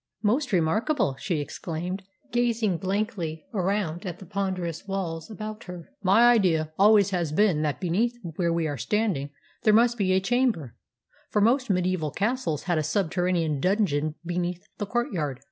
"Most remarkable!" she exclaimed, gazing blankly around at the ponderous walls about her. "My idea always has been that beneath where we are standing there must be a chamber, for most mediaeval castles had a subterranean dungeon beneath the courtyard."